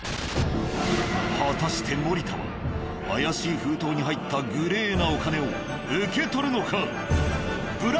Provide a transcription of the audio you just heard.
果たして森田は怪しい封筒に入ったグレーなお金を受け取るのか？